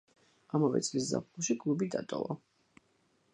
ამავე წლის ზაფხულში კლუბი დატოვა.